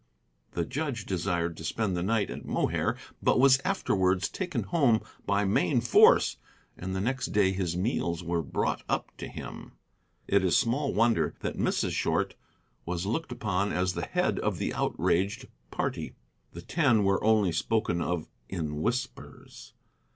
The judge desired to spend the night at Mohair, but was afterwards taken home by main force, and the next day his meals were brought up to him. It is small wonder that Mrs. Short was looked upon as the head of the outraged party. The Ten were only spoken of in whispers.